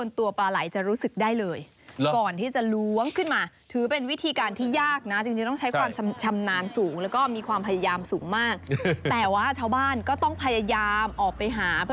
ในช่วงที่ทำการเกษตรไม่ได้แบบนี้นะคะ